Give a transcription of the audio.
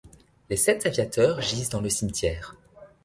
Les sept aviateurs gisent dans le cimetière.